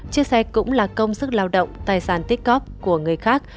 chiếc xe cũng là công sức lao động tài sản tích cóp của người khác